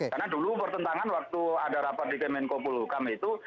karena dulu pertentangan waktu ada rapat di kemenkopulukam itu